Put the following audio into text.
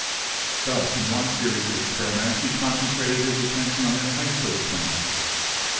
Thus in one series of experi ments he concentrated his attention on the heights of the plants.